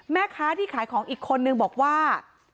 แม่ค้าที่ขายของอีกคนนึงบอกว่า